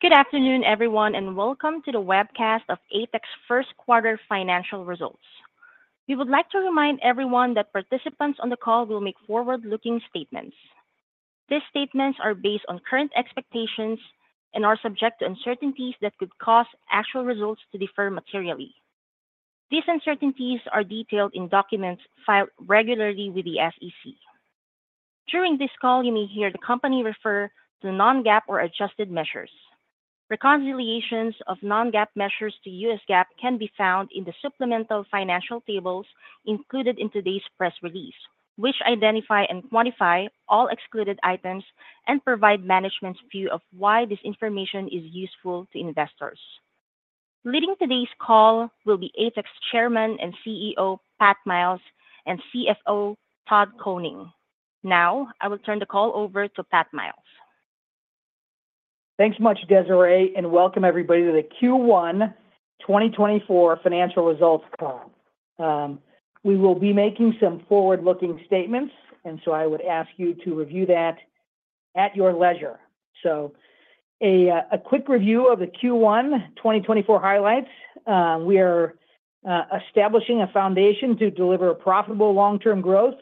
Good afternoon, everyone, and welcome to the webcast of ATEC's first quarter financial results. We would like to remind everyone that participants on the call will make forward-looking statements. These statements are based on current expectations and are subject to uncertainties that could cause actual results to differ materially. These uncertainties are detailed in documents filed regularly with the SEC. During this call, you may hear the company refer to non-GAAP or adjusted measures. Reconciliations of non-GAAP measures to U.S. GAAP can be found in the supplemental financial tables included in today's press release, which identify and quantify all excluded items and provide management's view of why this information is useful to investors. Leading today's call will be ATEC's Chairman and CEO, Pat Miles, and CFO, Todd Koning. Now, I will turn the call over to Pat Miles. Thanks much, Desiree, and welcome everybody to the Q1 2024 financial results call. We will be making some forward-looking statements, and so I would ask you to review that at your leisure. So a quick review of the Q1 2024 highlights. We are establishing a foundation to deliver profitable long-term growth.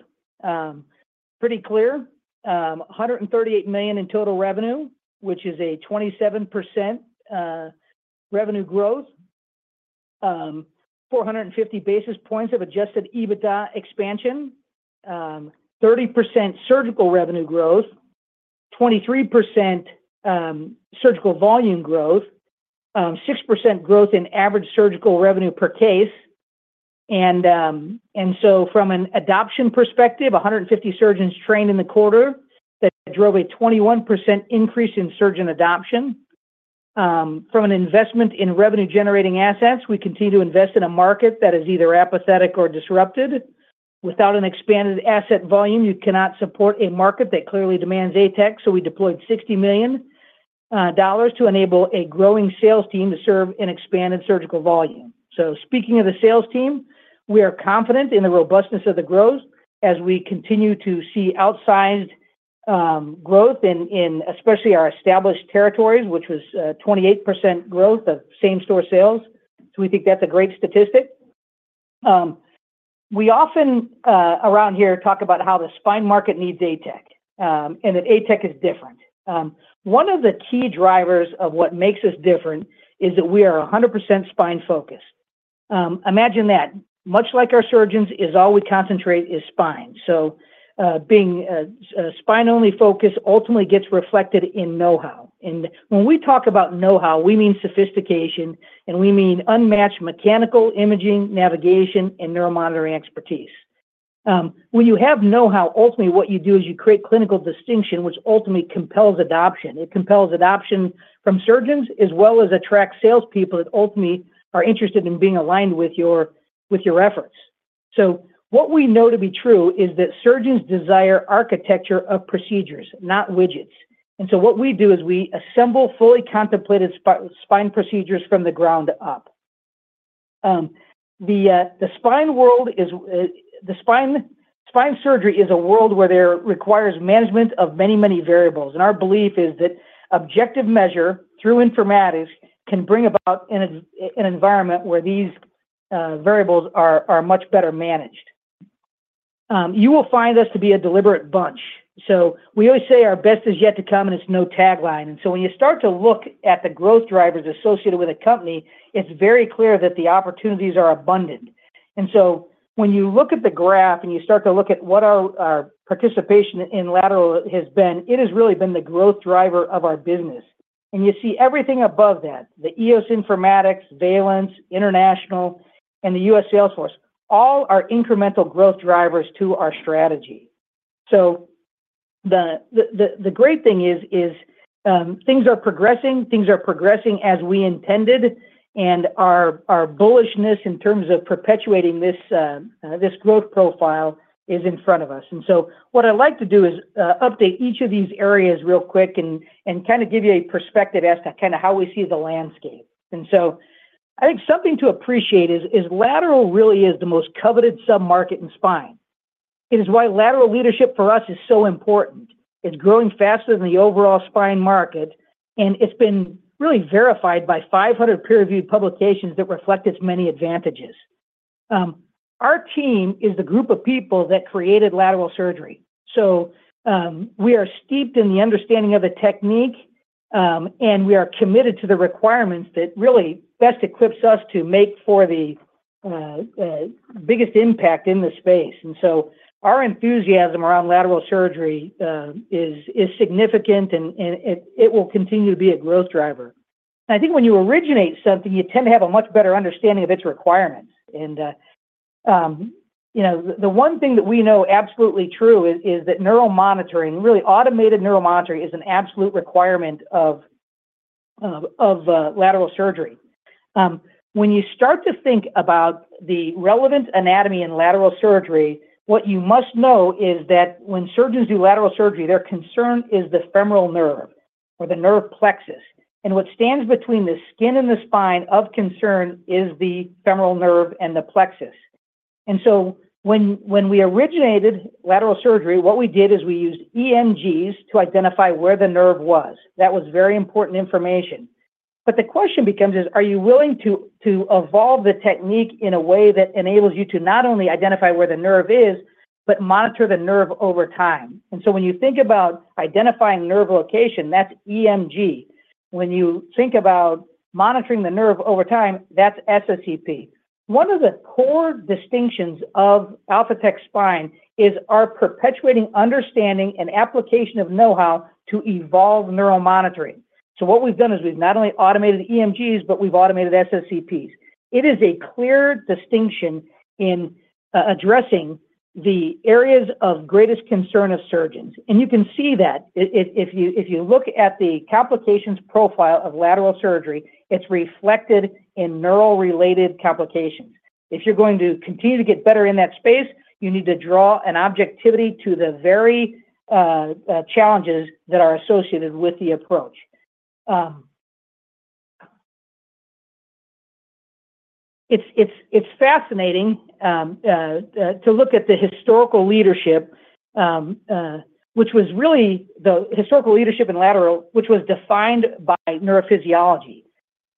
Pretty clear, $138 million in total revenue, which is a 27% revenue growth, 450 basis points of Adjusted EBITDA expansion, 30% surgical revenue growth, 23% surgical volume growth, 6% growth in average surgical revenue per case. And so from an adoption perspective, 150 surgeons trained in the quarter, that drove a 21% increase in surgeon adoption. From an investment in revenue-generating assets, we continue to invest in a market that is either apathetic or disrupted. Without an expanded asset volume, you cannot support a market that clearly demands ATEC, so we deployed $60 million dollars to enable a growing sales team to serve an expanded surgical volume. So speaking of the sales team, we are confident in the robustness of the growth as we continue to see outsized growth in especially our established territories, which was 28% growth of same-store sales. So we think that's a great statistic. We often around here talk about how the spine market needs ATEC, and that ATEC is different. One of the key drivers of what makes us different is that we are 100% spine-focused. Imagine that much like our surgeons is all we concentrate is spine. So, being a spine-only focus ultimately gets reflected in know-how. When we talk about know-how, we mean sophistication, and we mean unmatched mechanical imaging, navigation, and neuromonitoring expertise. When you have know-how, ultimately, what you do is you create clinical distinction, which ultimately compels adoption. It compels adoption from surgeons, as well as attract salespeople that ultimately are interested in being aligned with your efforts. So what we know to be true is that surgeons desire architecture of procedures, not widgets. So what we do is we assemble fully contemplated spine procedures from the ground up. The spine world is... The spine, spine surgery is a world where there requires management of many, many variables, and our belief is that objective measure through informatics can bring about an environment where these variables are much better managed. You will find us to be a deliberate bunch. So we always say our best is yet to come, and it's no tagline. And so when you start to look at the growth drivers associated with a company, it's very clear that the opportunities are abundant. And so when you look at the graph and you start to look at what our participation in lateral has been, it has really been the growth driver of our business. And you see everything above that, the EOS Informatics, Valence, International, and the U.S. Salesforce, all are incremental growth drivers to our strategy. So the great thing is, things are progressing as we intended, and our bullishness in terms of perpetuating this growth profile is in front of us. And so what I'd like to do is update each of these areas real quick and kind of give you a perspective as to kind of how we see the landscape. And so I think something to appreciate is lateral really is the most coveted submarket in spine. It is why lateral leadership for us is so important. It's growing faster than the overall spine market, and it's been really verified by 500 peer-reviewed publications that reflect its many advantages. Our team is the group of people that created lateral surgery. So, we are steeped in the understanding of the technique, and we are committed to the requirements that really best equips us to make for the biggest impact in this space. Our enthusiasm around lateral surgery is significant, and it will continue to be a growth driver. I think when you originate something, you tend to have a much better understanding of its requirements. You know, the one thing that we know absolutely true is that neuromonitoring, really automated neuromonitoring, is an absolute requirement of lateral surgery. When you start to think about the relevant anatomy in lateral surgery, what you must know is that when surgeons do lateral surgery, their concern is the femoral nerve or the nerve plexus. What stands between the skin and the spine of concern is the femoral nerve and the plexus. And so when, when we originated lateral surgery, what we did is we used EMGs to identify where the nerve was. That was very important information. But the question becomes is, are you willing to, to evolve the technique in a way that enables you to not only identify where the nerve is, but monitor the nerve over time? And so when you think about identifying nerve location, that's EMG. When you think about monitoring the nerve over time, that's SSEP. One of the core distinctions of Alphatec Spine is our perpetuating understanding and application of know-how to evolve neural monitoring. So what we've done is we've not only automated EMGs, but we've automated SSEPs. It is a clear distinction in addressing the areas of greatest concern of surgeons. And you can see that. If you look at the complications profile of lateral surgery, it's reflected in neural-related complications. If you're going to continue to get better in that space, you need to draw an objectivity to the very challenges that are associated with the approach. It's fascinating to look at the historical leadership, which was really the historical leadership in lateral, which was defined by neurophysiology.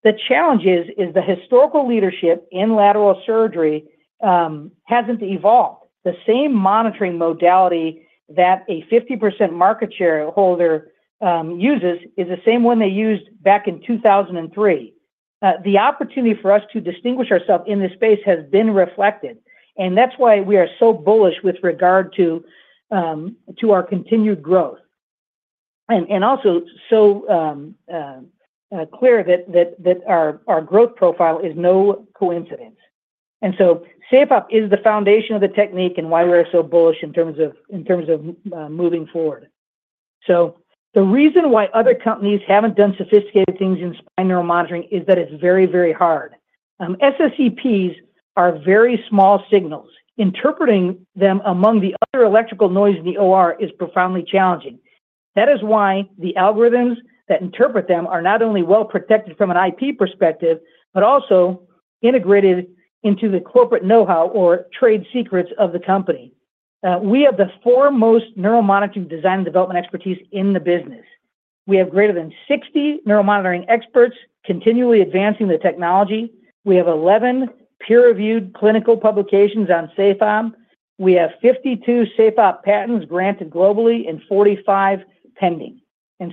The challenge is the historical leadership in lateral surgery hasn't evolved. The same monitoring modality that a 50% market share holder uses is the same one they used back in 2003. The opportunity for us to distinguish ourselves in this space has been reflected, and that's why we are so bullish with regard to our continued growth. clear that our growth profile is no coincidence. SafeOp is the foundation of the technique and why we're so bullish in terms of moving forward. So the reason why other companies haven't done sophisticated things in spine neural monitoring is that it's very, very hard. SSEPs are very small signals. Interpreting them among the other electrical noise in the OR is profoundly challenging. That is why the algorithms that interpret them are not only well-protected from an IP perspective, but also integrated into the corporate know-how or trade secrets of the company. We have the foremost neural monitoring design and development expertise in the business. We have greater than 60 neural monitoring experts continually advancing the technology. We have 11 peer-reviewed clinical publications on SafeOp. We have 52 SafeOp patents granted globally and 45 pending.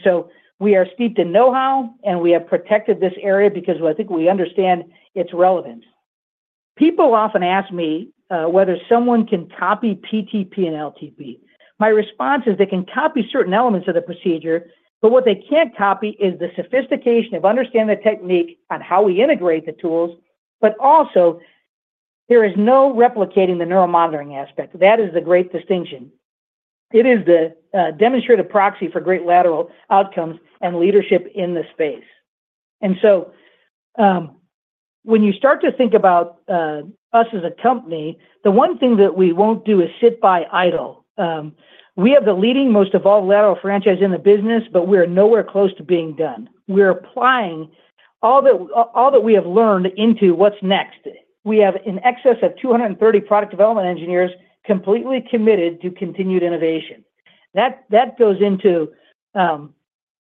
So we are steeped in know-how, and we have protected this area because I think we understand its relevance. People often ask me whether someone can copy PTP and LTP. My response is they can copy certain elements of the procedure, but what they can't copy is the sophistication of understanding the technique on how we integrate the tools, but also there is no replicating the neural monitoring aspect. That is the demonstrated proxy for great lateral outcomes and leadership in this space. So, when you start to think about us as a company, the one thing that we won't do is sit by idle. We have the leading, most evolved lateral franchise in the business, but we're nowhere close to being done. We're applying all that, all that we have learned into what's next. We have in excess of 230 product development engineers completely committed to continued innovation. That goes into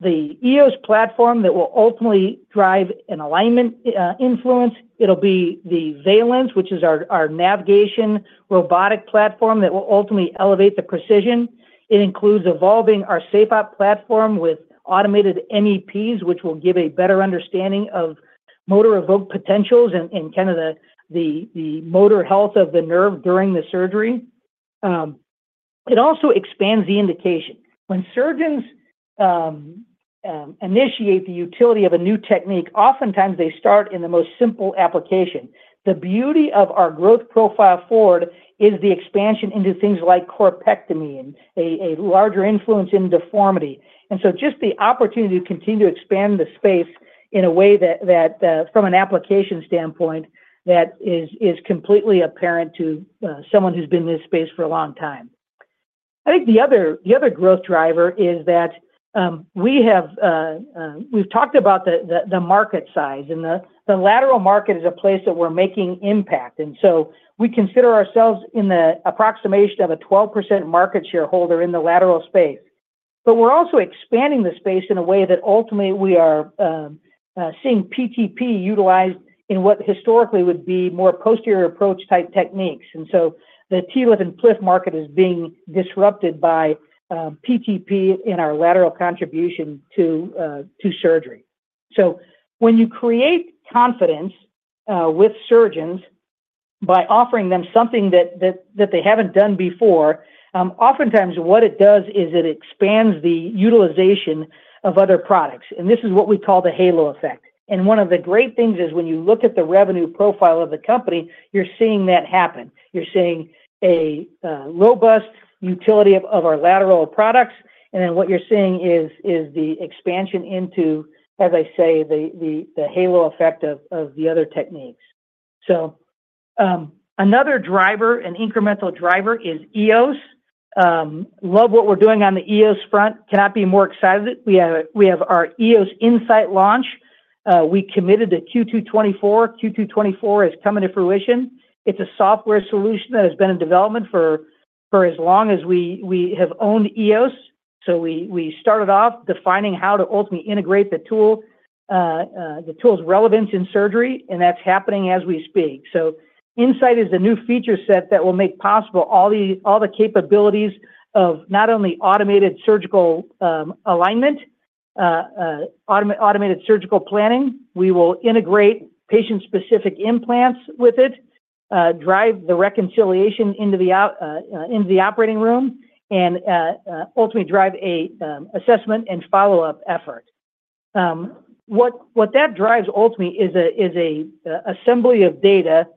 the EOS platform that will ultimately drive an alignment influence. It'll be the Valence, which is our navigation robotic platform that will ultimately elevate the precision. It includes evolving our SafeOp platform with automated MEPs, which will give a better understanding of motor-evoked potentials and kind of the motor health of the nerve during the surgery. It also expands the indication. When surgeons initiate the utility of a new technique, oftentimes they start in the most simple application. The beauty of our growth profile forward is the expansion into things like corpectomy and a larger influence in deformity. And so just the opportunity to continue to expand the space in a way that from an application standpoint is completely apparent to someone who's been in this space for a long time. I think the other growth driver is that we've talked about the market size, and the lateral market is a place that we're making impact. And so we consider ourselves in the approximation of a 12% market share holder in the lateral space. But we're also expanding the space in a way that ultimately we are seeing PTP utilized in what historically would be more posterior approach-type techniques. And so the TLIF and PLIF market is being disrupted by PTP and our lateral contribution to surgery. So when you create confidence with surgeons by offering them something that they haven't done before, oftentimes what it does is it expands the utilization of other products, and this is what we call the halo effect. And one of the great things is when you look at the revenue profile of the company, you're seeing that happen. You're seeing a robust utility of our lateral products, and then what you're seeing is the expansion into, as I say, the halo effect of the other techniques. So, another driver, an incremental driver, is EOS. Love what we're doing on the EOS front. Cannot be more excited. We have our EOS Insight launch. We committed to Q2 2024. Q2 2024 is coming to fruition. It's a software solution that has been in development for as long as we have owned EOS. We started off defining how to ultimately integrate the tool's relevance in surgery, and that's happening as we speak. Insight is a new feature set that will make possible all the capabilities of not only automated surgical alignment, automated surgical planning. We will integrate patient-specific implants with it, drive the reconciliation into the operating room, and ultimately drive a assessment and follow-up effort. What that drives ultimately is a assembly of data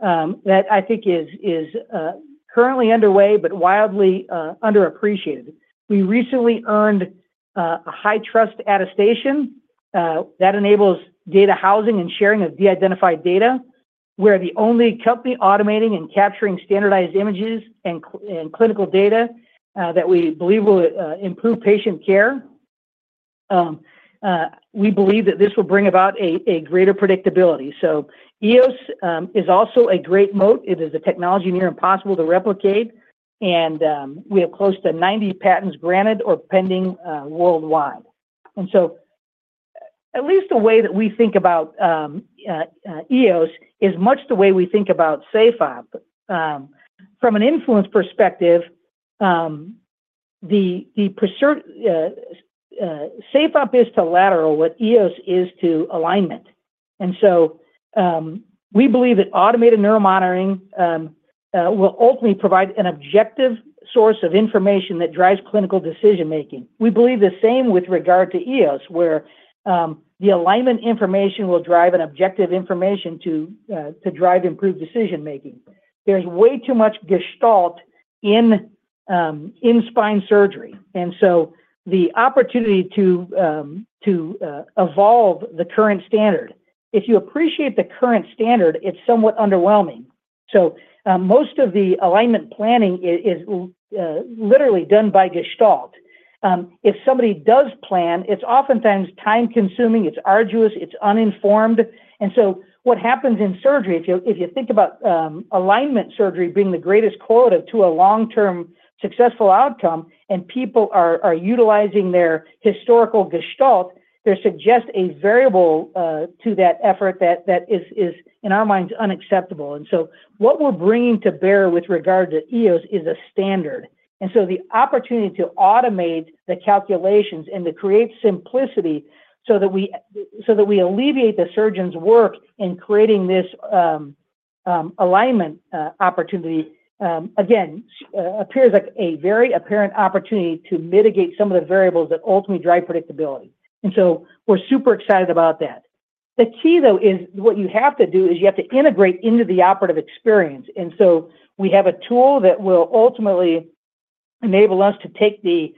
that I think is currently underway, but wildly underappreciated. We recently earned a HITRUST attestation that enables data housing and sharing of de-identified data. We're the only company automating and capturing standardized images and clinical data that we believe will improve patient care. We believe that this will bring about a greater predictability. So EOS is also a great moat. It is a technology near impossible to replicate, and we have close to 90 patents granted or pending worldwide. And so at least the way that we think about EOS is much the way we think about SafeOp. From an influence perspective, SafeOp is to lateral what EOS is to alignment. And so we believe that automated neuromonitoring will ultimately provide an objective source of information that drives clinical decision-making. We believe the same with regard to EOS, where, the alignment information will drive an objective information to, to drive improved decision-making. There's way too much gestalt in, in spine surgery, and so the opportunity to, to, evolve the current standard. If you appreciate the current standard, it's somewhat underwhelming. So, most of the alignment planning is, literally done by gestalt. If somebody does plan, it's oftentimes time-consuming, it's arduous, it's uninformed. And so what happens in surgery, if you, if you think about, alignment surgery being the greatest quota to a long-term successful outcome, and people are utilizing their historical gestalt, there suggests a variable, to that effort that, is, in our minds, unacceptable. And so what we're bringing to bear with regard to EOS is a standard. The opportunity to automate the calculations and to create simplicity so that we alleviate the surgeon's work in creating this alignment opportunity. Again, it appears like a very apparent opportunity to mitigate some of the variables that ultimately drive predictability. We're super excited about that. The key, though, is what you have to do is you have to integrate into the operative experience. We have a tool that will ultimately enable us to take the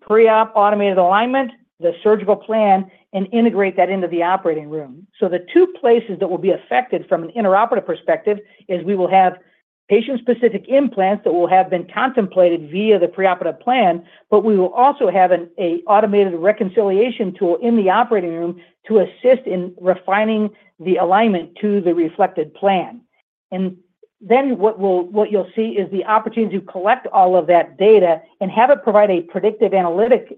pre-op automated alignment, the surgical plan, and integrate that into the operating room. So the two places that will be affected from an intraoperative perspective is we will have patient-specific implants that will have been contemplated via the preoperative plan, but we will also have an automated reconciliation tool in the operating room to assist in refining the alignment to the reflected plan. And then what you'll see is the opportunity to collect all of that data and have it provide a predictive analytic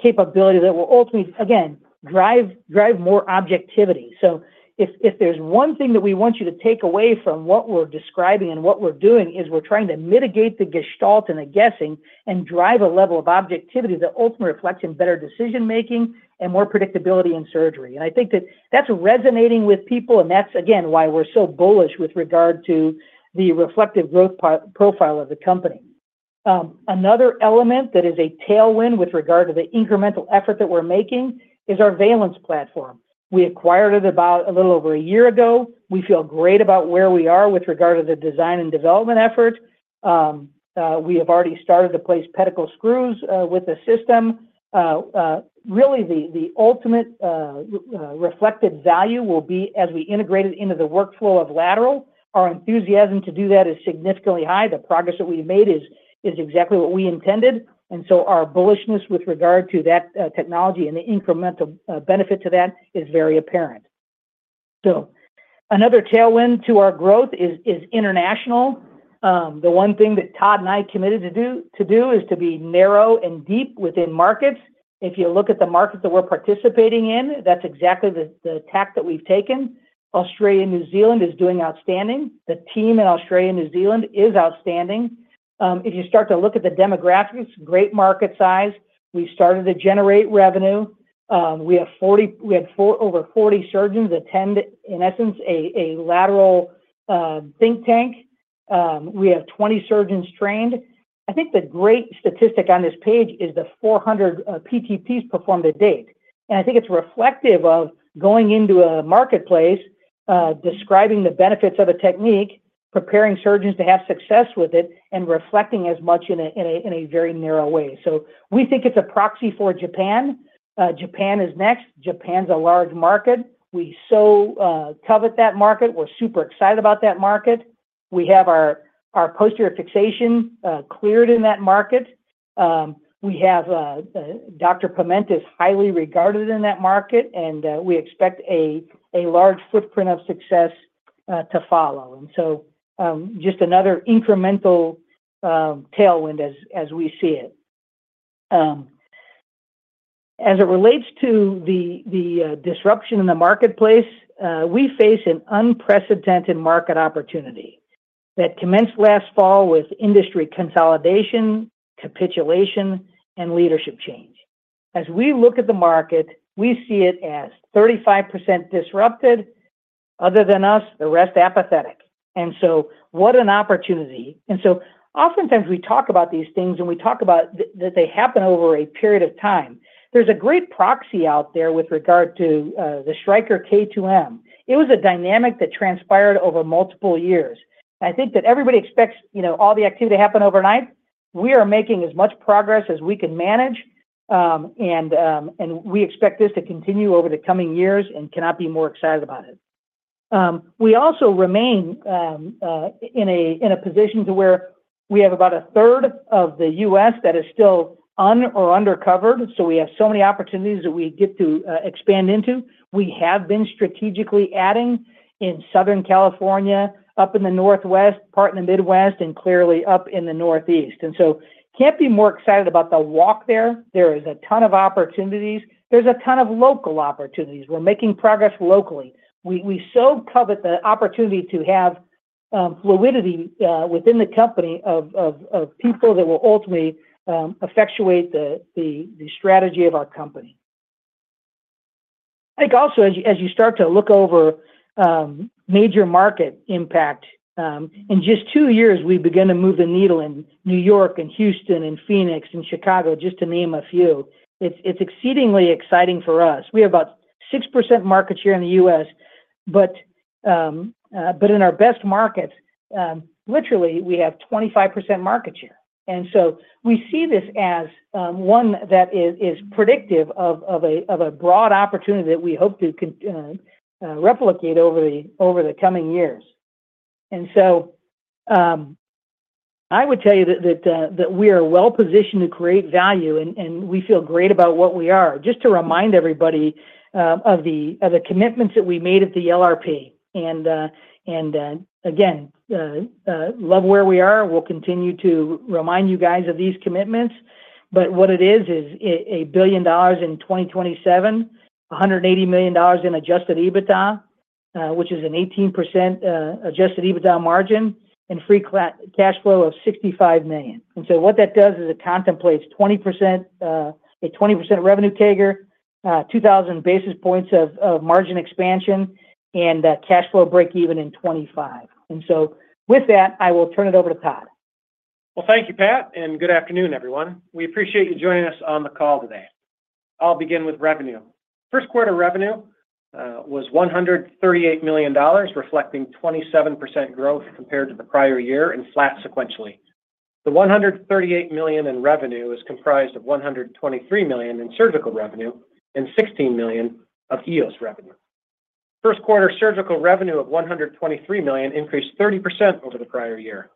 capability that will ultimately, again, drive more objectivity. So if there's one thing that we want you to take away from what we're describing and what we're doing is we're trying to mitigate the gestalt and the guessing and drive a level of objectivity that ultimately reflects in better decision-making and more predictability in surgery. I think that that's resonating with people, and that's, again, why we're so bullish with regard to the inflection point profile of the company. Another element that is a tailwind with regard to the incremental effort that we're making is our Valence platform. We acquired it about a little over a year ago. We feel great about where we are with regard to the design and development effort. We have already started to place pedicle screws with the system. Really, the ultimate reflected value will be as we integrate it into the workflow of lateral. Our enthusiasm to do that is significantly high. The progress that we've made is exactly what we intended, and so our bullishness with regard to that technology and the incremental benefit to that is very apparent. So another tailwind to our growth is international. The one thing that Todd and I committed to do is to be narrow and deep within markets. If you look at the markets that we're participating in, that's exactly the tack that we've taken. Australia and New Zealand is doing outstanding. The team in Australia and New Zealand is outstanding. If you start to look at the demographics, great market size. We started to generate revenue. We had over 40 surgeons attend, in essence, a lateral think tank. We have 20 surgeons trained. I think the great statistic on this page is the 400 PTPs performed to date. I think it's reflective of going into a marketplace, describing the benefits of a technique, preparing surgeons to have success with it, and reflecting as much in a very narrow way. So we think it's a proxy for Japan. Japan is next. Japan's a large market. We so covet that market. We're super excited about that market. We have our posterior fixation cleared in that market. We have Dr. Pimenta is highly regarded in that market, and we expect a large footprint of success to follow. And so, just another incremental tailwind as we see it. As it relates to the disruption in the marketplace, we face an unprecedented market opportunity that commenced last fall with industry consolidation, capitulation, and leadership change. As we look at the market, we see it as 35% disrupted, other than us, the rest apathetic. And so what an opportunity! And so oftentimes, we talk about these things, and we talk about that they happen over a period of time. There's a great proxy out there with regard to the Stryker/K2M. It was a dynamic that transpired over multiple years. I think that everybody expects, you know, all the activity to happen overnight. We are making as much progress as we can manage, and we expect this to continue over the coming years and cannot be more excited about it. We also remain in a position to where we have about a third of the U.S. that is still un or undercovered, so we have so many opportunities that we get to expand into. We have been strategically adding in Southern California, up in the Northwest, part in the Midwest, and clearly up in the Northeast, and so can't be more excited about the walk there. There is a ton of opportunities. There's a ton of local opportunities. We're making progress locally. We so covet the opportunity to have fluidity within the company of people that will ultimately effectuate the strategy of our company. I think also, as you start to look over major market impact in just two years, we've begun to move the needle in New York and Houston and Phoenix and Chicago, just to name a few. It's exceedingly exciting for us. We have about 6% market share in the U.S., but in our best markets, literally, we have 25% market share. We see this as one that is predictive of a broad opportunity that we hope to replicate over the coming years. I would tell you that we are well positioned to create value, and we feel great about what we are. Just to remind everybody of the commitments that we made at the LRP, and again love where we are. We'll continue to remind you guys of these commitments, but what it is a $1 billion in 2027, $180 million in Adjusted EBITDA, which is an 18% Adjusted EBITDA margin and free cash flow of $65 million. And so what that does is it contemplates 20%, a 20% revenue CAGR, 2,000 basis points of margin expansion, and a cash flow breakeven in 2025. And so with that, I will turn it over to Todd. Well, thank you, Pat, and good afternoon, everyone. We appreciate you joining us on the call today. I'll begin with revenue. First quarter revenue was $138 million, reflecting 27% growth compared to the prior year and flat sequentially. The $138 million in revenue is comprised of $123 million in surgical revenue and $16 million of EOS revenue. First quarter surgical revenue of $123 million increased 30% over the prior year.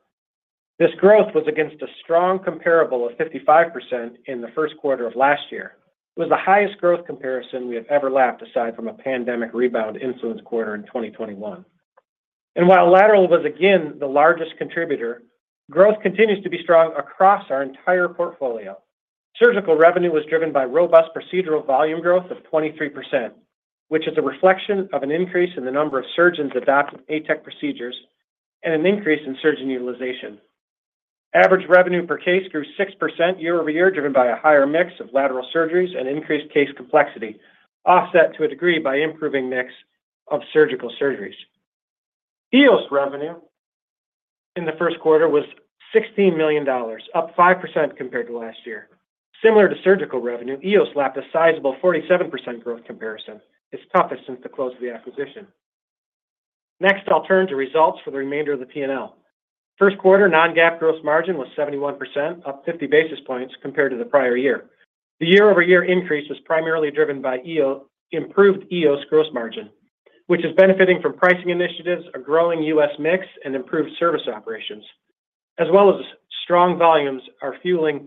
This growth was against a strong comparable of 55% in the first quarter of last year. It was the highest growth comparison we have ever lapped, aside from a pandemic rebound influence quarter in 2021. And while lateral was again the largest contributor, growth continues to be strong across our entire portfolio. Surgical revenue was driven by robust procedural volume growth of 23%, which is a reflection of an increase in the number of surgeons adopting ATEC procedures and an increase in surgeon utilization. Average revenue per case grew 6% year-over-year, driven by a higher mix of lateral surgeries and increased case complexity, offset to a degree by improving mix of surgical surgeries. EOS revenue in the first quarter was $16 million, up 5% compared to last year. Similar to surgical revenue, EOS lapped a sizable 47% growth comparison, its toughest since the close of the acquisition. Next, I'll turn to results for the remainder of the P&L. First quarter non-GAAP gross margin was 71%, up 50 basis points compared to the prior year. The year-over-year increase was primarily driven by EOS improved EOS gross margin, which is benefiting from pricing initiatives, a growing U.S. mix, and improved service operations, as well as strong volumes are fueling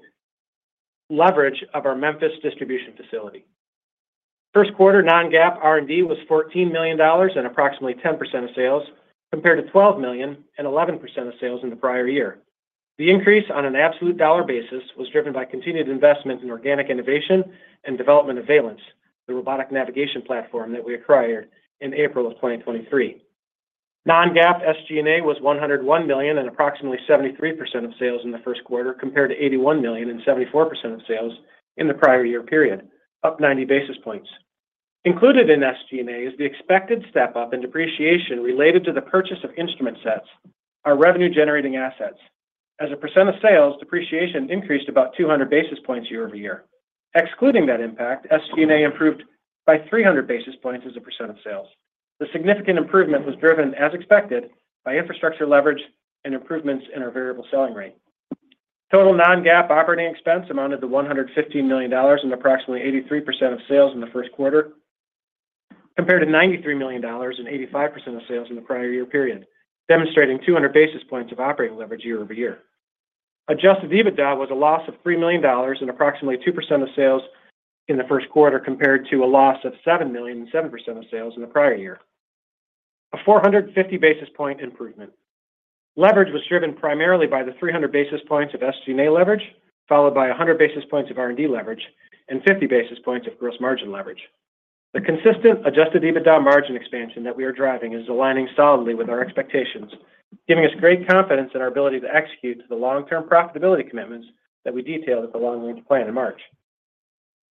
leverage of our Memphis distribution facility. First quarter non-GAAP R&D was $14 million and approximately 10% of sales, compared to $12 million and 11% of sales in the prior year. The increase on an absolute dollar basis was driven by continued investment in organic innovation and development of Valence, the robotic navigation platform that we acquired in April of 2023. Non-GAAP SG&A was $101 million and approximately 73% of sales in the first quarter, compared to $81 million and 74% of sales in the prior year period, up 90 basis points. Included in SG&A is the expected step-up in depreciation related to the purchase of instrument sets, our revenue-generating assets. As a percent of sales, depreciation increased about 200 basis points year-over-year. Excluding that impact, SG&A improved by 300 basis points as a percent of sales. The significant improvement was driven, as expected, by infrastructure leverage and improvements in our variable selling rate. Total non-GAAP operating expense amounted to $115 million and approximately 83% of sales in the first quarter, compared to $93 million and 85% of sales in the prior year period, demonstrating 200 basis points of operating leverage year-over-year. Adjusted EBITDA was a loss of $3 million and approximately 2% of sales in the first quarter, compared to a loss of $7 million and 7% of sales in the prior year. A 450 basis point improvement. Leverage was driven primarily by the 300 basis points of SG&A leverage, followed by 100 basis points of R&D leverage and 50 basis points of gross margin leverage. The consistent adjusted EBITDA margin expansion that we are driving is aligning solidly with our expectations, giving us great confidence in our ability to execute to the long-term profitability commitments that we detailed at the long-range plan in March.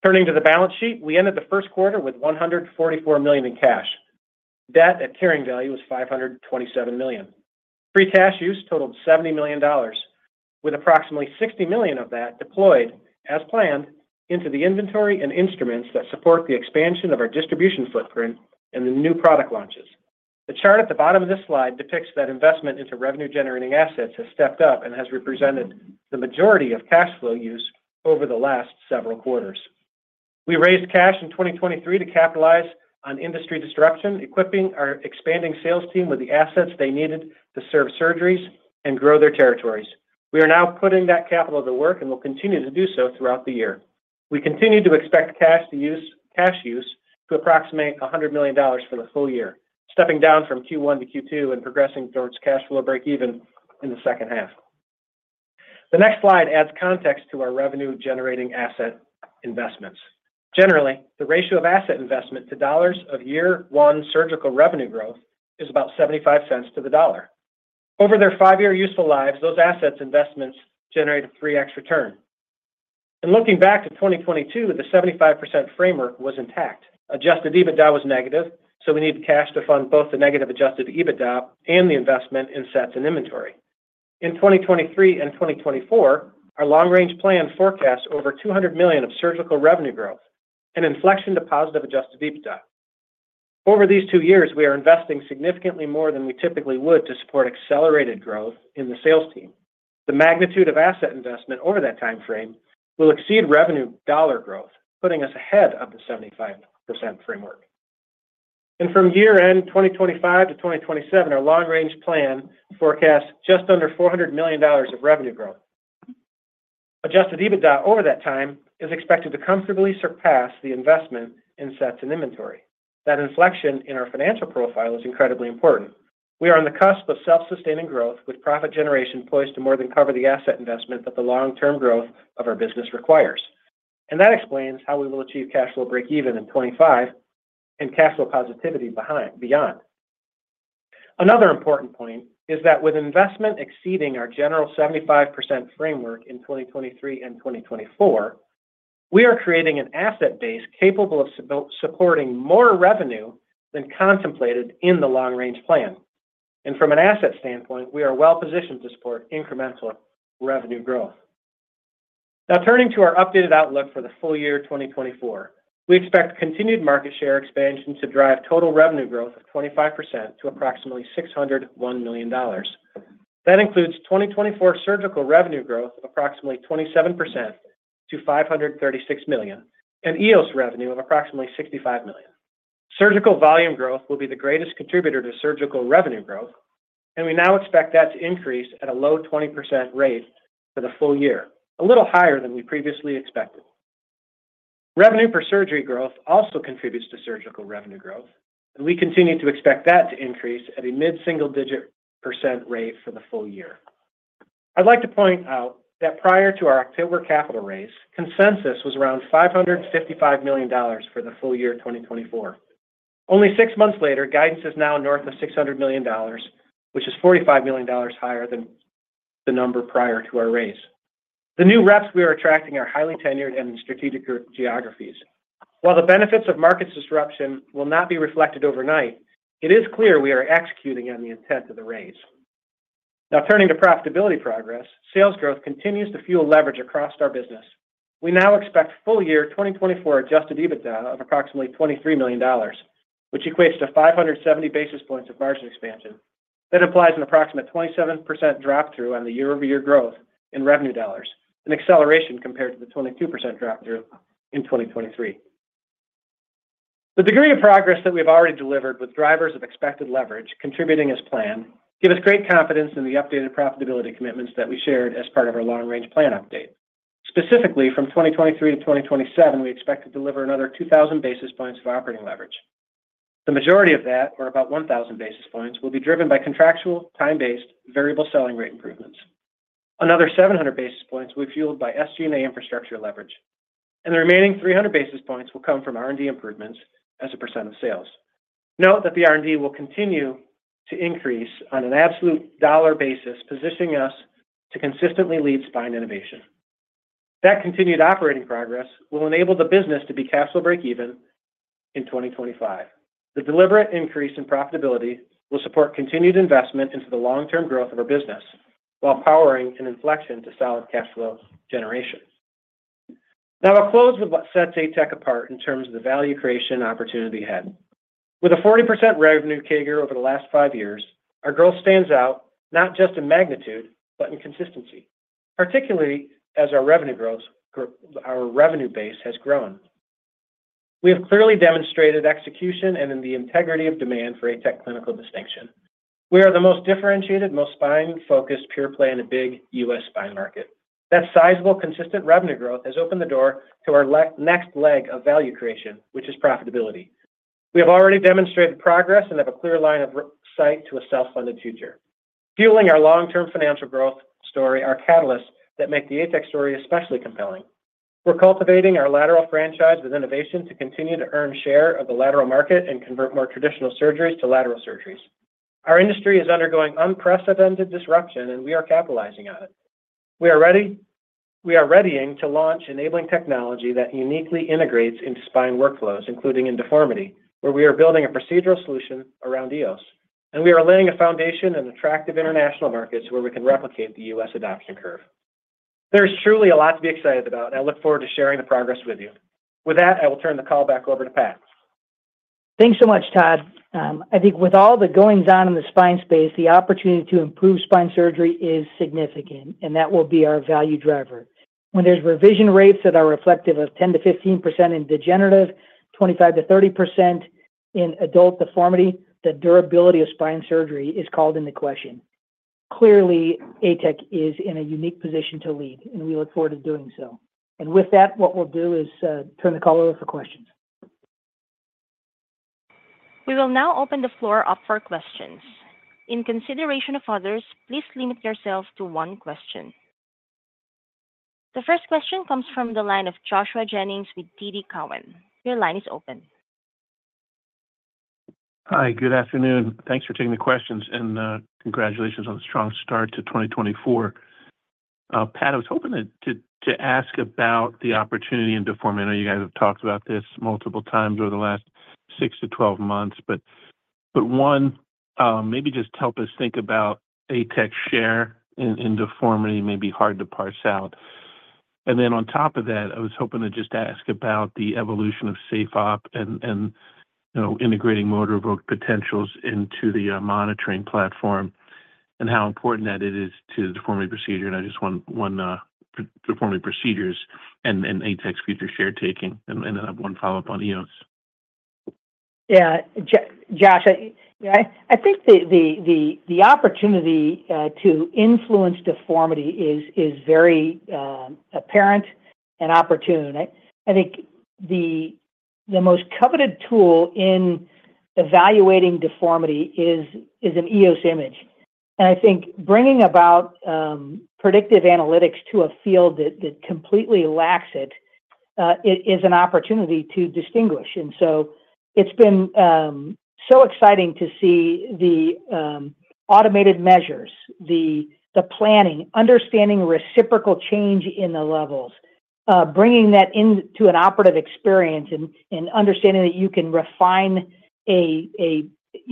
Turning to the balance sheet, we ended the first quarter with $144 million in cash. Debt at carrying value was $527 million. Free cash use totaled $70 million, with approximately $60 million of that deployed as planned into the inventory and instruments that support the expansion of our distribution footprint and the new product launches. The chart at the bottom of this slide depicts that investment into revenue-generating assets has stepped up and has represented the majority of cash flow use over the last several quarters. We raised cash in 2023 to capitalize on industry disruption, equipping our expanding sales team with the assets they needed to serve surgeries and grow their territories. We are now putting that capital to work and will continue to do so throughout the year. We continue to expect cash use to approximate $100 million for the full year, stepping down from Q1 to Q2 and progressing towards cash flow break even in the second half. The next slide adds context to our revenue-generating asset investments. Generally, the ratio of asset investment to dollars of year one surgical revenue growth is about 75 cents to the dollar. Over their five-year useful lives, those assets investments generate a 3x return. Looking back to 2022, the 75% framework was intact. Adjusted EBITDA was negative, so we needed cash to fund both the negative Adjusted EBITDA and the investment in sets and inventory. In 2023 and 2024, our long-range plan forecasts over $200 million of surgical revenue growth, an inflection to positive Adjusted EBITDA. Over these two years, we are investing significantly more than we typically would to support accelerated growth in the sales team. The magnitude of asset investment over that time frame will exceed revenue dollar growth, putting us ahead of the 75% framework. From year-end 2025 to 2027, our long-range plan forecasts just under $400 million of revenue growth. Adjusted EBITDA over that time is expected to comfortably surpass the investment in sets and inventory. That inflection in our financial profile is incredibly important. We are on the cusp of self-sustaining growth, with profit generation poised to more than cover the asset investment that the long-term growth of our business requires. And that explains how we will achieve cash flow breakeven in 2025 and cash flow positivity beyond. Another important point is that with investment exceeding our general 75% framework in 2023 and 2024, we are creating an asset base capable of supporting more revenue than contemplated in the long-range plan. And from an asset standpoint, we are well positioned to support incremental revenue growth. Now, turning to our updated outlook for the full year 2024. We expect continued market share expansion to drive total revenue growth of 25% to approximately $601 million. That includes 2024 surgical revenue growth of approximately 27% to $536 million, and EOS revenue of approximately $65 million. Surgical volume growth will be the greatest contributor to surgical revenue growth, and we now expect that to increase at a low 20% rate for the full year, a little higher than we previously expected. Revenue per surgery growth also contributes to surgical revenue growth, and we continue to expect that to increase at a mid-single-digit % rate for the full year. I'd like to point out that prior to our October capital raise, consensus was around $555 million for the full year 2024. Only six months later, guidance is now north of $600 million, which is $45 million higher than the number prior to our raise. The new reps we are attracting are highly tenured and in strategic geographies. While the benefits of market disruption will not be reflected overnight, it is clear we are executing on the intent of the raise. Now, turning to profitability progress, sales growth continues to fuel leverage across our business. We now expect full year 2024 Adjusted EBITDA of approximately $23 million, which equates to 570 basis points of margin expansion. That implies an approximate 27% drop-through on the year-over-year growth in revenue dollars, an acceleration compared to the 22% drop-through in 2023. The degree of progress that we've already delivered, with drivers of expected leverage contributing as planned, give us great confidence in the updated profitability commitments that we shared as part of our long-range plan update. Specifically, from 2023 to 2027, we expect to deliver another 2,000 basis points of operating leverage. The majority of that, or about 1,000 basis points, will be driven by contractual, time-based, variable selling rate improvements. Another 700 basis points will be fueled by SG&A infrastructure leverage, and the remaining 300 basis points will come from R&D improvements as a % of sales. Note that the R&D will continue to increase on an absolute dollar basis, positioning us to consistently lead spine innovation. That continued operating progress will enable the business to be capital break even in 2025. The deliberate increase in profitability will support continued investment into the long-term growth of our business, while powering an inflection to solid cash flow generation. Now, I'll close with what sets ATEC apart in terms of the value creation and opportunity ahead. With a 40% revenue CAGR over the last five years, our growth stands out, not just in magnitude, but in consistency, particularly as our revenue grows, our revenue base has grown. We have clearly demonstrated execution and in the integrity of demand for ATEC clinical distinction. We are the most differentiated, most spine-focused pure play in the big U.S. spine market. That sizable, consistent revenue growth has opened the door to our next leg of value creation, which is profitability. We have already demonstrated progress and have a clear line of sight to a self-funded future. Fueling our long-term financial growth story are catalysts that make the ATEC story especially compelling. We're cultivating our lateral franchise with innovation to continue to earn share of the lateral market and convert more traditional surgeries to lateral surgeries. Our industry is undergoing unprecedented disruption, and we are capitalizing on it. We are readying to launch enabling technology that uniquely integrates into spine workflows, including in deformity, where we are building a procedural solution around EOS. And we are laying a foundation in attractive international markets where we can replicate the U.S. adoption curve. There is truly a lot to be excited about, and I look forward to sharing the progress with you. With that, I will turn the call back over to Pat. Thanks so much, Todd. I think with all the goings-on in the spine space, the opportunity to improve spine surgery is significant, and that will be our value driver. When there's revision rates that are reflective of 10%-15% in degenerative, 25%-30% in adult deformity, the durability of spine surgery is called into question. Clearly, ATEC is in a unique position to lead, and we look forward to doing so. And with that, what we'll do is, turn the call over for questions. We will now open the floor up for questions. In consideration of others, please limit yourselves to one question. The first question comes from the line of Joshua Jennings with TD Cowen. Your line is open. Hi, good afternoon. Thanks for taking the questions, and, congratulations on the strong start to 2024. Pat, I was hoping to ask about the opportunity in deformity. I know you guys have talked about this multiple times over the last six to 12 months, but maybe just help us think about ATEC share in deformity, may be hard to parse out. And then on top of that, I was hoping to just ask about the evolution of SafeOp and, you know, integrating motor evoked potentials into the monitoring platform and how important that it is to the deformity procedure. And I just want one deformity procedures and ATEC's future share taking. And I have one follow-up on EOS. Yeah, Josh, I think the opportunity to influence deformity is very apparent and opportune. I think the most coveted tool in evaluating deformity is an EOS image. And I think bringing about predictive analytics to a field that completely lacks it is an opportunity to distinguish. And so it's been so exciting to see the automated measures, the planning, understanding reciprocal change in the levels, bringing that into an operative experience and understanding that you can refine a, you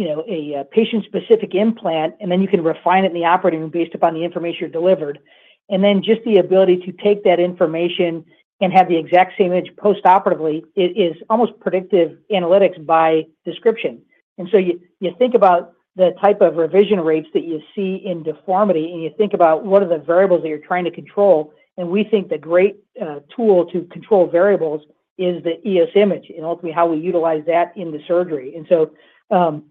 know, a patient-specific implant, and then you can refine it in the operating room based upon the information you're delivered. And then just the ability to take that information and have the exact same image postoperatively is almost predictive analytics by description. And so you think about the type of revision rates that you see in deformity, and you think about what are the variables that you're trying to control. And we think the great tool to control variables is the EOS imaging and ultimately how we utilize that in the surgery. And so,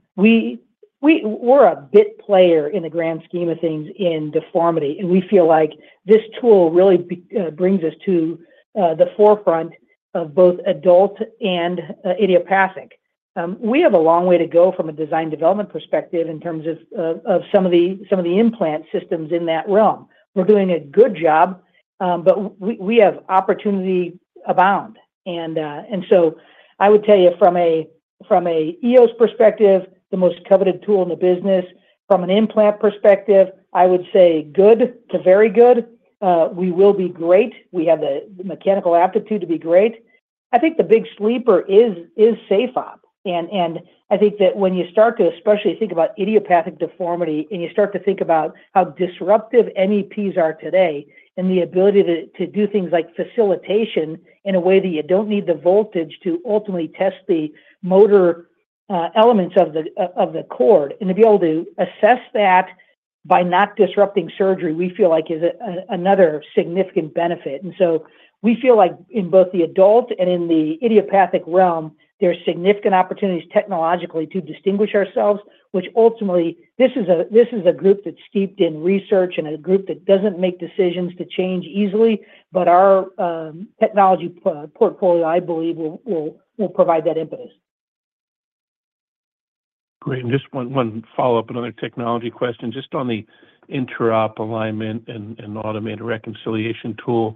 we're a bit player in the grand scheme of things in deformity, and we feel like this tool really brings us to the forefront of both adult and idiopathic. We have a long way to go from a design development perspective in terms of some of the implant systems in that realm. We're doing a good job, but we have opportunity abound. So I would tell you from a EOS perspective, the most coveted tool in the business. From an implant perspective, I would say good to very good. We will be great. We have the mechanical aptitude to be great. I think the big sleeper is SafeOp, and I think that when you start to especially think about idiopathic deformity, and you start to think about how disruptive MEPs are today and the ability to do things like facilitation in a way that you don't need the voltage to ultimately test the motor elements of the cord, and to be able to assess that by not disrupting surgery, we feel like is another significant benefit. And so we feel like in both the adult and in the idiopathic realm, there are significant opportunities technologically to distinguish ourselves, which ultimately, this is a group that's steeped in research and a group that doesn't make decisions to change easily, but our technology portfolio, I believe, will provide that impetus. Great. And just one follow-up, another technology question. Just on the interop alignment and automated reconciliation tool,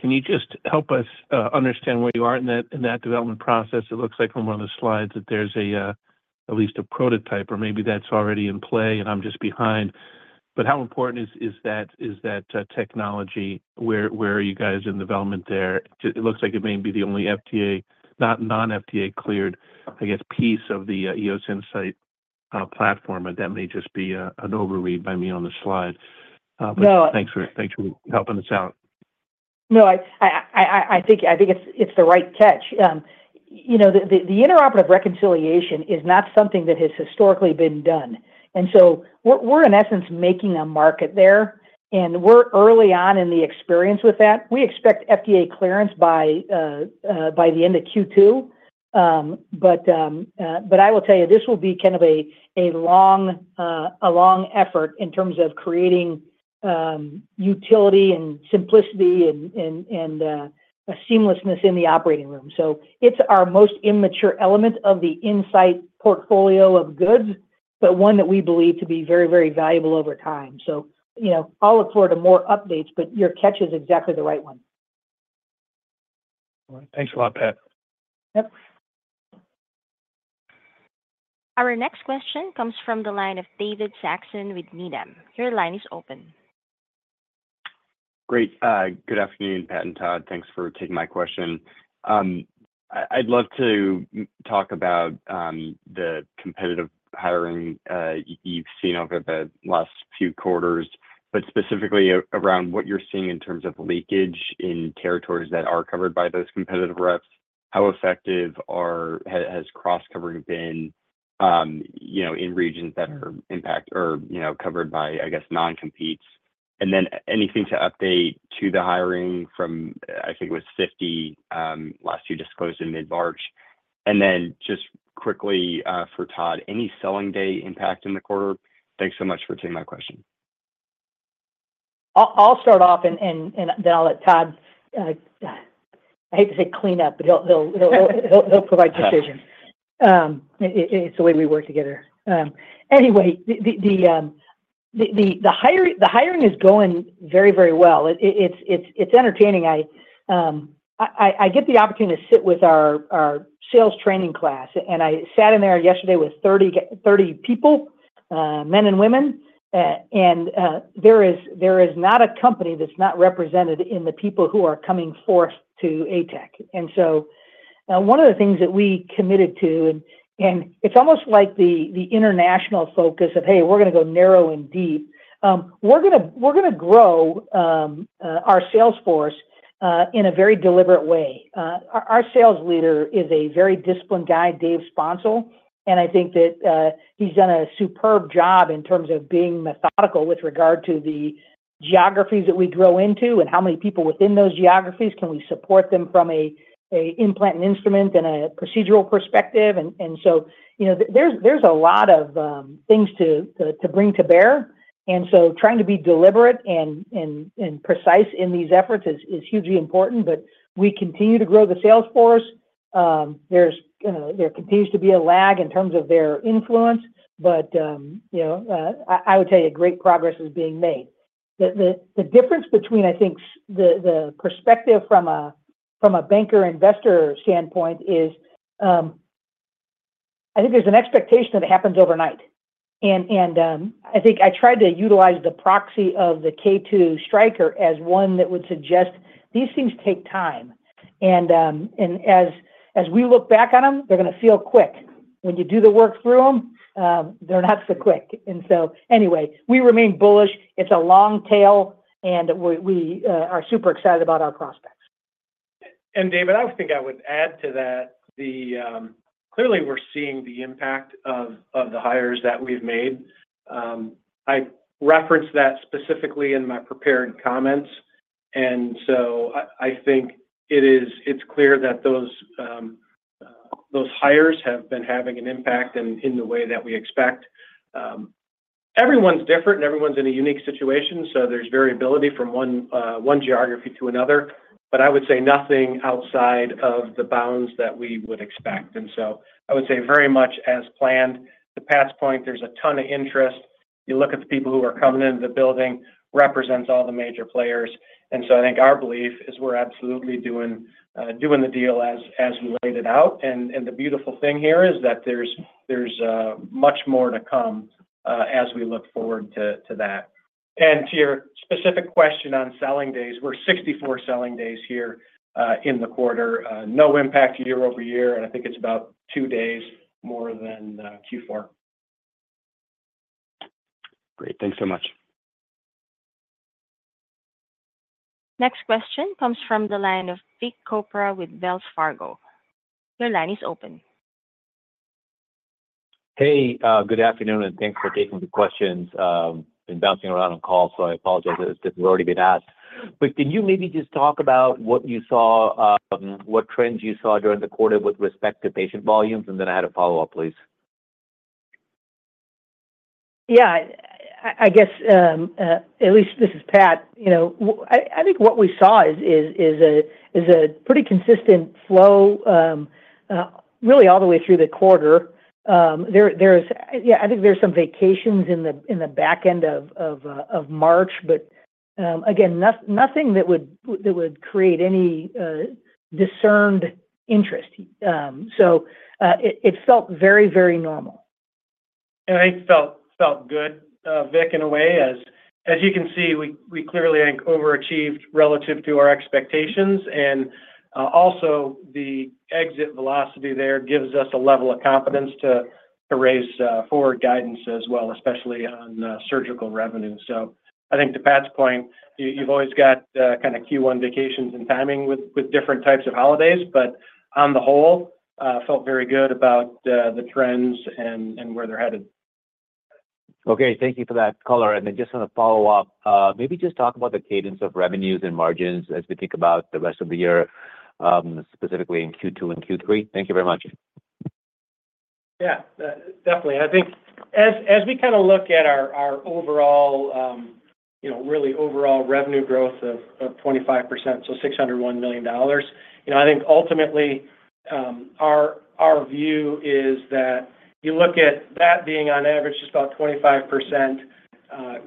can you just help us understand where you are in that development process? It looks like from one of the slides that there's at least a prototype or maybe that's already in play and I'm just behind. But how important is that technology? Where are you guys in development there? It looks like it may be the only FDA, not non-FDA cleared, I guess, piece of the EOS Insight platform, but that may just be an overread by me on the slide. No. Thanks for helping us out. No, I think it's the right catch. You know, the intraoperative reconciliation is not something that has historically been done. And so we're in essence making a market there, and we're early on in the experience with that. We expect FDA clearance by the end of Q2. But I will tell you, this will be kind of a long effort in terms of creating utility and simplicity and a seamlessness in the operating room. So it's our most immature element of the insight portfolio of goods, but one that we believe to be very, very valuable over time. So, you know, I'll look forward to more updates, but your catch is exactly the right one. All right. Thanks a lot, Pat. Yep. Our next question comes from the line of David Saxon with Needham. Your line is open. Great. Good afternoon, Pat and Todd. Thanks for taking my question. I'd love to talk about the competitive hiring you've seen over the last few quarters, but specifically around what you're seeing in terms of leakage in territories that are covered by those competitive reps. How effective has cross covering been, you know, in regions that are impact or, you know, covered by, I guess, non-competes? And then anything to update to the hiring from, I think it was 50, last you disclosed in mid-March. And then just quickly, for Todd, any selling day impact in the quarter? Thanks so much for taking my question. I'll start off and then I'll let Todd, I hate to say, clean up, but he'll provide decision. It's the way we work together. Anyway, the hiring is going very well. It's entertaining. I get the opportunity to sit with our sales training class, and I sat in there yesterday with 30 people, men and women. And there is not a company that's not represented in the people who are coming forth to ATEC. And so, one of the things that we committed to, and it's almost like the international focus of, "Hey, we're gonna go narrow and deep." We're gonna grow our sales force in a very deliberate way. Our sales leader is a very disciplined guy, Dave Sponsel, and I think that he's done a superb job in terms of being methodical with regard to the geographies that we grow into and how many people within those geographies can we support them from an implant and instrument and a procedural perspective. And so, you know, there's a lot of things to bring to bear. And so trying to be deliberate and precise in these efforts is hugely important. But we continue to grow the sales force. There's there continues to be a lag in terms of their influence, but, you know, I would tell you, great progress is being made. The difference between, I think, the perspective from a banker investor standpoint is, I think there's an expectation that it happens overnight. And I think I tried to utilize the proxy of the K2M-Stryker as one that would suggest these things take time. And as we look back on them, they're gonna feel quick. When you do the work through them, they're not so quick. And so anyway, we remain bullish. It's a long tail, and we are super excited about our prospects. And David, I think I would add to that, clearly, we're seeing the impact of, of the hires that we've made. I referenced that specifically in my prepared comments, and so I, I think it is—it's clear that those, those hires have been having an impact in, in the way that we expect. Everyone's different and everyone's in a unique situation, so there's variability from one, one geography to another, but I would say nothing outside of the bounds that we would expect. And so I would say very much as planned. To Pat's point, there's a ton of interest. You look at the people who are coming into the building, represents all the major players. And so I think our belief is we're absolutely doing, doing the deal as, as we laid it out. The beautiful thing here is that there's much more to come as we look forward to that. And to your specific question on selling days, we're 64 selling days here in the quarter. No impact year-over-year, and I think it's about two days more than Q4. Great. Thanks so much. Next question comes from the line of Vik Chopra with Wells Fargo. Your line is open. Hey, good afternoon, and thanks for taking the questions. Been bouncing around on call, so I apologize if this has already been asked. But can you maybe just talk about what you saw, what trends you saw during the quarter with respect to patient volumes? And then I had a follow-up, please. Yeah. I guess, at least this is Pat. You know, I think what we saw is a pretty consistent flow, really all the way through the quarter. Yeah, I think there's some vacations in the back end of March, but again, nothing that would create any discernible interest. So, it felt very, very normal. I felt good, Vik, in a way, as you can see, we clearly overachieved relative to our expectations. Also, the exit velocity there gives us a level of confidence to raise forward guidance as well, especially on surgical revenue. So I think to Pat's point, you've always got kind of Q1 vacations and timing with different types of holidays, but on the whole, felt very good about the trends and where they're headed. Okay, thank you for that color. Then just on a follow-up, maybe just talk about the cadence of revenues and margins as we think about the rest of the year, specifically in Q2 and Q3. Thank you very much. Yeah. Definitely. I think as we kinda look at our, our overall, you know, really overall revenue growth of 25%, so $601 million, you know, I think ultimately, our, our view is that you look at that being on average just about 25%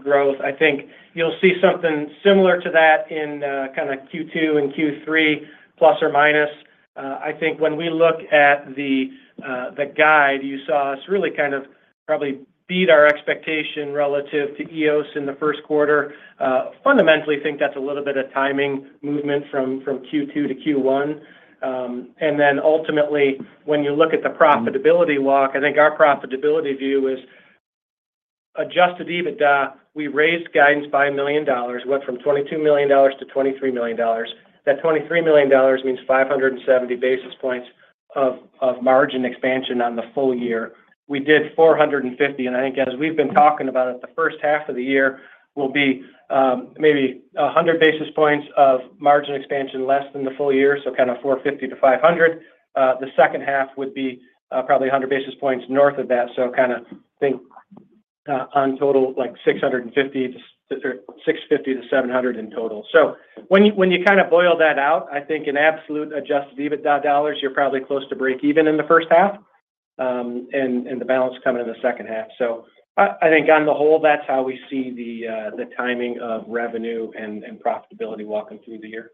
growth. I think you'll see something similar to that in, kinda Q2 and Q3, plus or minus. I think when we look at the, the guide, you saw us really kind of probably beat our expectation relative to EOS in the first quarter. Fundamentally think that's a little bit of timing movement from Q2 to Q1. And then ultimately, when you look at the profitability lock, I think our profitability view is Adjusted EBITDA. We raised guidance by $1 million, went from $22 million-$23 million. That $23 million means 570 basis points of margin expansion on the full year. We did 450, and I think as we've been talking about it, the first half of the year will be maybe 100 basis points of margin expansion, less than the full year, so kinda 450-500. The second half would be probably 100 basis points north of that, so kinda think on total, like 650 to-- or 650-700 in total. So when you kinda boil that out, I think an absolute adjusted EBITDA dollars, you're probably close to breakeven in the first half, and the balance coming in the second half. So I think on the whole, that's how we see the timing of revenue and profitability walking through the year.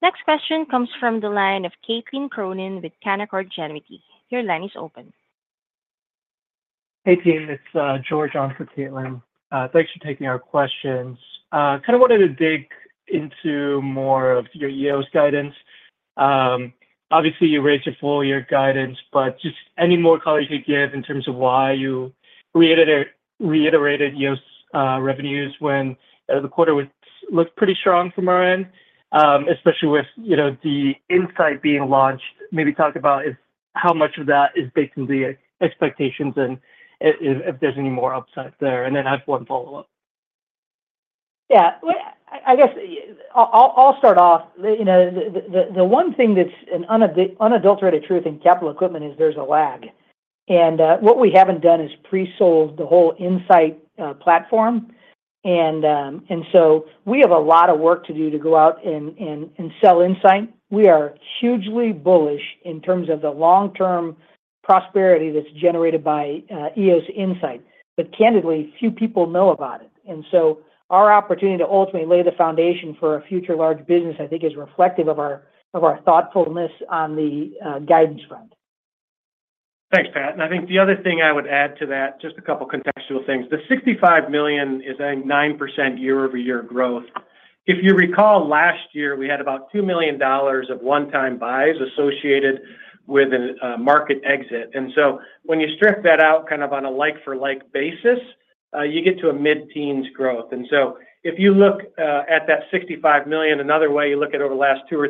Next question comes from the line of Caitlin Cronin with Canaccord Genuity. Your line is open. Hey, team, it's George on for Caitlin. Thanks for taking our questions. Kinda wanted to dig into more of your EOS guidance. Obviously, you raised your full year guidance, but just any more color you could give in terms of why you reiterated EOS revenues, when the quarter looked pretty strong from our end, especially with, you know, the insight being launched. Maybe talk about how much of that is baked into the expectations, and if there's any more upside there, and then I have one follow-up. Yeah. Well, I guess I'll start off. You know, the one thing that's an unadulterated truth in capital equipment is there's a lag, and what we haven't done is pre-sold the whole Insight platform. And so we have a lot of work to do to go out and sell Insight. We are hugely bullish in terms of the long-term prosperity that's generated by EOS Insight, but candidly, few people know about it. And so our opportunity to ultimately lay the foundation for a future large business, I think, is reflective of our thoughtfulness on the guidance front. Thanks, Pat. And I think the other thing I would add to that, just a couple of contextual things. The $65 million is a 9% year-over-year growth. If you recall, last year, we had about $2 million of one-time buys associated with an market exit. And so when you strip that out, kind of on a like-for-like basis, you get to a mid-teens growth. And so if you look at that $65 million another way, you look at over the last two or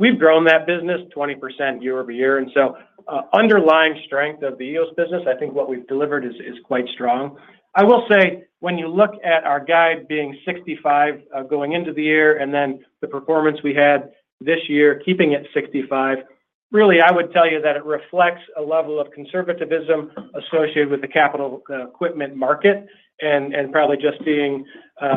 three years, we've grown that business 20% year-over-year. And so, underlying strength of the EOS business, I think what we've delivered is quite strong. I will say, when you look at our guide being $65, going into the year, and then the performance we had this year, keeping it $65, really, I would tell you that it reflects a level of conservatism associated with the capital equipment market, and probably just being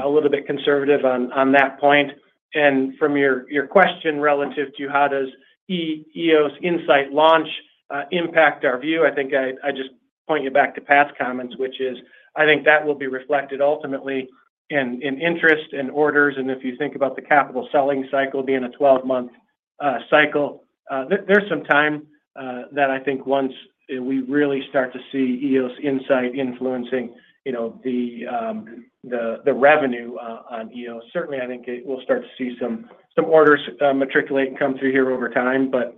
a little bit conservative on that point. And from your question relative to how does EOS Insight launch impact our view, I think I just point you back to Pat's comments, which is, I think that will be reflected ultimately in interest and orders, and if you think about the capital selling cycle being a 12-month cycle, there's some time that I think once we really start to see EOS Insight influencing, you know, the revenue on EOS. Certainly, I think it, we'll start to see some orders materialize and come through here over time, but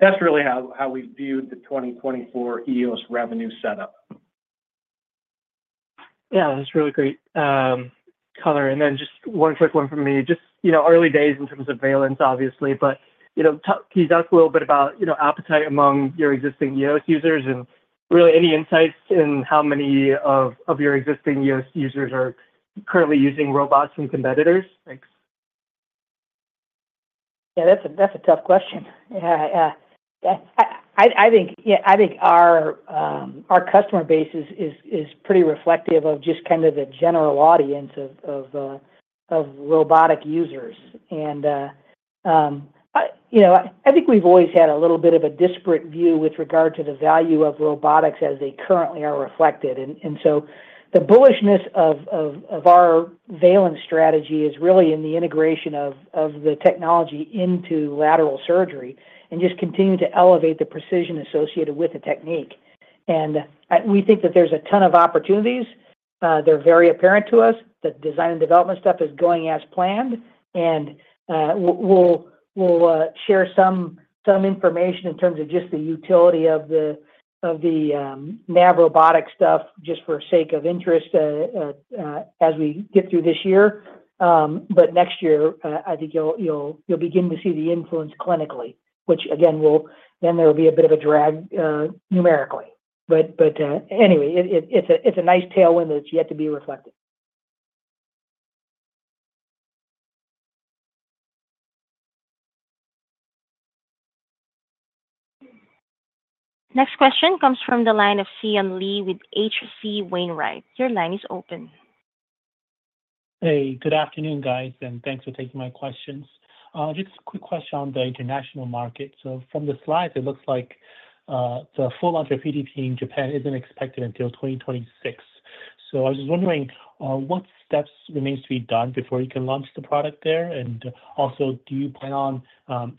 that's really how we viewed the 2024 EOS revenue setup. Yeah, that's really great, color. And then just one quick one from me. Just, you know, early days in terms of Valence, obviously, but, you know, tease us a little bit about, you know, appetite among your existing EOS users, and really any insights in how many of your existing EOS users are currently using robots from competitors? Thanks. Yeah, that's a tough question. Yeah, yeah. I think, yeah, I think our customer base is pretty reflective of just kind of the general audience of robotic users. And, you know, I think we've always had a little bit of a disparate view with regard to the value of robotics as they currently are reflected. And, so the bullishness of our Valence strategy is really in the integration of the technology into lateral surgery, and just continuing to elevate the precision associated with the technique.... And, we think that there's a ton of opportunities. They're very apparent to us. The design and development stuff is going as planned, and we'll share some information in terms of just the utility of the nav robotic stuff, just for sake of interest, as we get through this year. But next year, I think you'll begin to see the influence clinically, which again, will, then there will be a bit of a drag numerically. But anyway, it's a nice tailwind that's yet to be reflected. Next question comes from the line of Sean Lee with H.C. Wainwright. Your line is open. Hey, good afternoon, guys, and thanks for taking my questions. Just a quick question on the international market. So from the slides, it looks like the full launch of PTP in Japan isn't expected until 2026. So I was just wondering what steps remains to be done before you can launch the product there? And also, do you plan on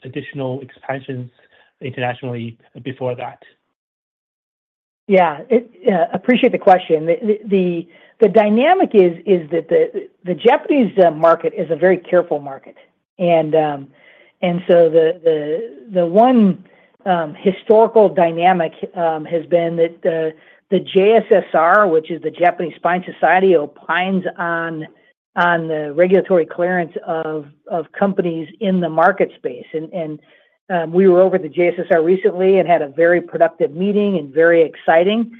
additional expansions internationally before that? Yeah, I appreciate the question. The dynamic is that the Japanese market is a very careful market. And so the one historical dynamic has been that the JSSR, which is the Japanese Spine Society, opines on the regulatory clearance of companies in the market space. And we were over at the JSSR recently and had a very productive meeting and very exciting.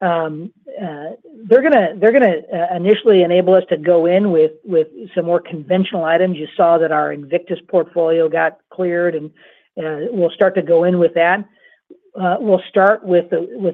They're gonna initially enable us to go in with some more conventional items. You saw that our Invictus portfolio got cleared, and we'll start to go in with that. We'll start with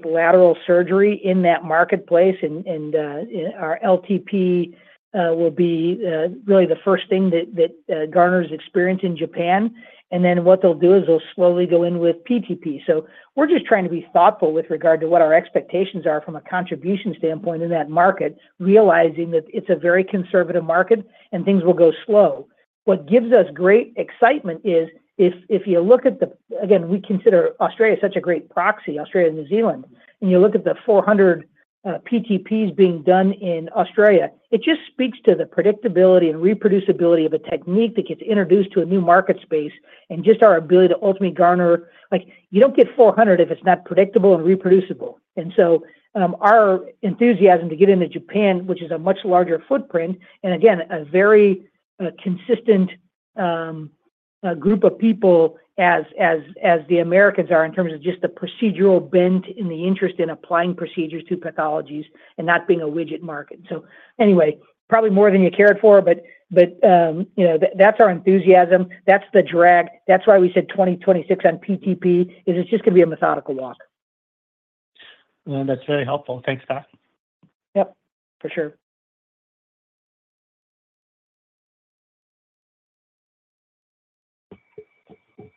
lateral surgery in that marketplace, and our LTP will be really the first thing that garners experience in Japan. And then what they'll do is they'll slowly go in with PTP. So we're just trying to be thoughtful with regard to what our expectations are from a contribution standpoint in that market, realizing that it's a very conservative market and things will go slow. What gives us great excitement is, if you look at the... Again, we consider Australia such a great proxy, Australia and New Zealand. When you look at the 400 PTPs being done in Australia, it just speaks to the predictability and reproducibility of a technique that gets introduced to a new market space, and just our ability to ultimately garner. Like, you don't get 400 if it's not predictable and reproducible. And so, our enthusiasm to get into Japan, which is a much larger footprint, and again, a very, consistent, group of people as the Americans are, in terms of just the procedural bent and the interest in applying procedures to pathologies and not being a widget market. So anyway, probably more than you cared for, but, you know, that's our enthusiasm. That's the drag. That's why we said 2026 on PTP, is it's just gonna be a methodical walk. Well, that's very helpful. Thanks, Pat. Yep, for sure.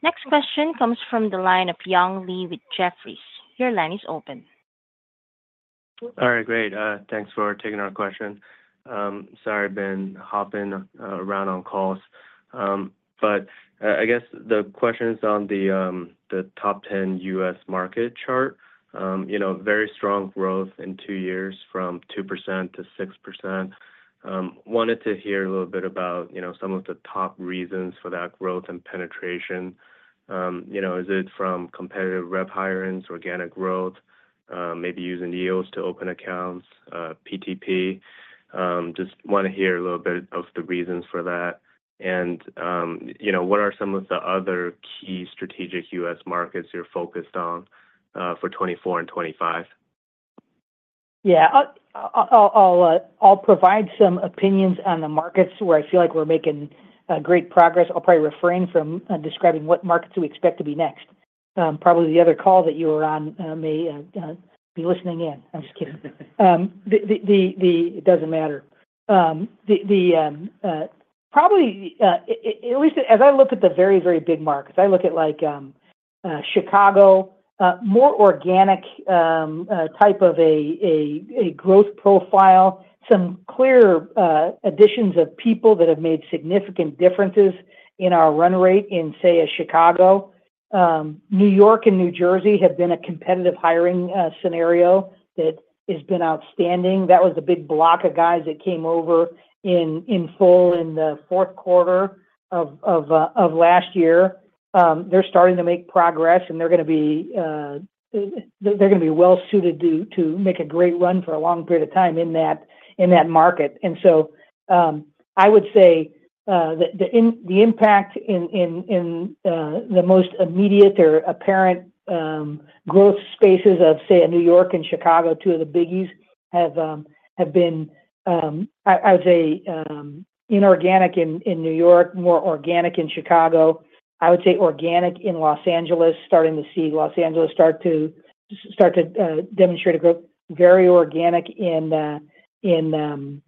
Next question comes from the line of Young Li with Jefferies. Your line is open. All right, great. Thanks for taking our question. Sorry, I've been hopping around on calls. But, I guess the question is on the top 10 U.S. market chart. You know, very strong growth in two years, from 2%-6%. Wanted to hear a little bit about, you know, some of the top reasons for that growth and penetration. You know, is it from competitive rep hirings, organic growth, maybe using EOS to open accounts, PTP? Just wanna hear a little bit of the reasons for that. And, you know, what are some of the other key strategic U.S. markets you're focused on, for 2024 and 2025? Yeah. I'll provide some opinions on the markets where I feel like we're making great progress. I'll probably refrain from describing what markets we expect to be next. Probably the other call that you were on may be listening in. I'm just kidding. It doesn't matter. As I look at the very, very big markets, I look at like Chicago, more organic type of a growth profile, some clear additions of people that have made significant differences in our run rate in, say, Chicago. New York and New Jersey have been a competitive hiring scenario that has been outstanding. That was a big block of guys that came over in full in the fourth quarter of last year. They're starting to make progress, and they're gonna be well suited to make a great run for a long period of time in that market. And so, I would say the impact in the most immediate or apparent growth spaces of, say, in New York and Chicago, two of the biggies, have been. I would say inorganic in New York, more organic in Chicago. I would say organic in Los Angeles, starting to see Los Angeles start to demonstrate a growth, very organic in Houston.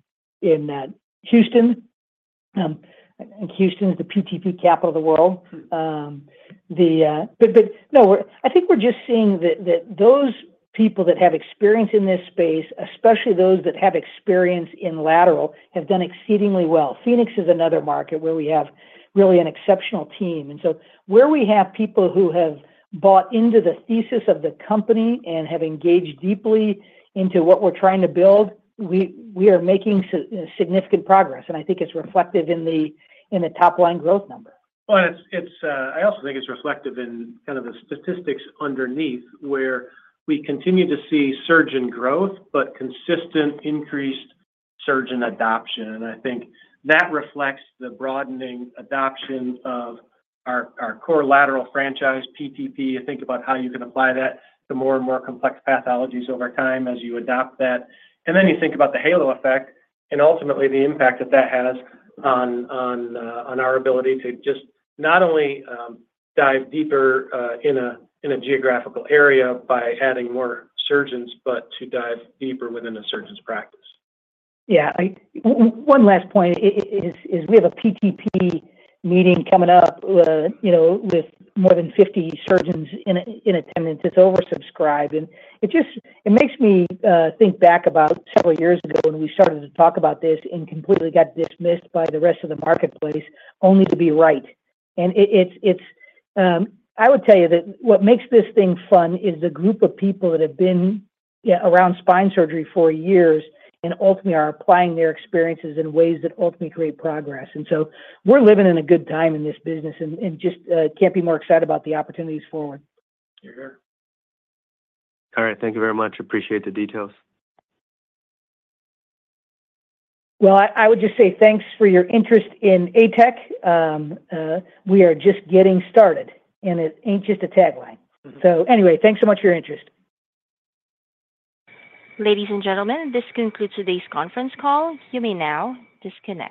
And Houston is the PTP capital of the world. But no, we're—I think we're just seeing that those people that have experience in this space, especially those that have experience in lateral, have done exceedingly well. Phoenix is another market where we have really an exceptional team. And so where we have people who have bought into the thesis of the company and have engaged deeply into what we're trying to build, we are making significant progress, and I think it's reflective in the top line growth number. Well, and I also think it's reflective in kind of the statistics underneath, where we continue to see surgeon growth, but consistent increased surgeon adoption. And I think that reflects the broadening adoption of our core lateral franchise, PTP. You think about how you can apply that to more and more complex pathologies over time as you adopt that. And then you think about the halo effect and ultimately the impact that that has on our ability to just not only dive deeper in a geographical area by adding more surgeons, but to dive deeper within a surgeon's practice. Yeah, one last point is we have a PTP meeting coming up, you know, with more than 50 surgeons in attendance. It's oversubscribed, and it just makes me think back about several years ago when we started to talk about this and completely got dismissed by the rest of the marketplace, only to be right. And it, it's... I would tell you that what makes this thing fun is the group of people that have been around spine surgery for years and ultimately are applying their experiences in ways that ultimately create progress. And so we're living in a good time in this business and just can't be more excited about the opportunities forward. Hear, hear. All right. Thank you very much. Appreciate the details. Well, I would just say thanks for your interest in ATEC. We are just getting started, and it ain't just a tagline. So anyway, thanks so much for your interest. Ladies and gentlemen, this concludes today's conference call. You may now disconnect.